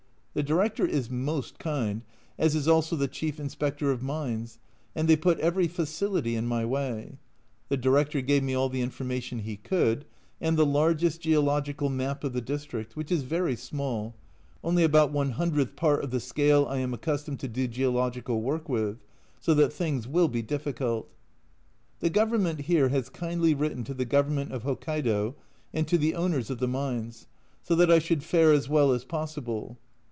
The Director is most kind, as is also the chief Inspector of Mines, and they put every facility in my way. The Director gave me all the information he could and the largest geological map of the district, which is very small, only about one hundredth part of the scale I am accustomed to do geological work with, so that things will be difficult The Government here has kindly written to the Governor of Hokkaido and to the owners of the Mines, so that I should fare as well as possible.